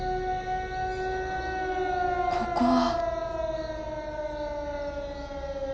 ここは。